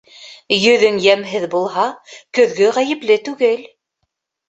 Йөҙөң йәмһеҙ булһа, көҙгө ғәйепле түгел.